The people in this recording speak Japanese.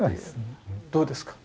どうですか？